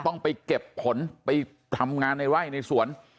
ต้องไปเก็บผลไปทำงานในไร่ในสวน